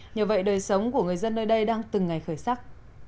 nhờ vậy đời sống của người dân nơi đây đang từng ngày khởi sắc